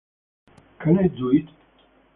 Can I do it?